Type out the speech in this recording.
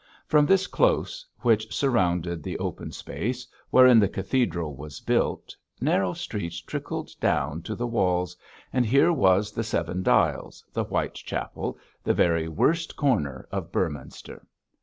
From this close, which surrounded the open space, wherein the cathedral was built, narrow streets trickled down to the walls, and here was the Seven Dials, the Whitechapel, the very worst corner of Beorminster.